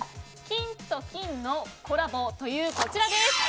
菌と菌のコラボというこちら。